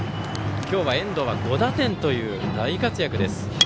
今日は遠藤は５打点という大活躍です。